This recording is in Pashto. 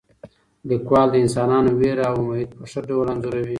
لیکوال د انسانانو ویره او امید په ښه ډول انځوروي.